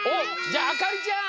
じゃああかりちゃん！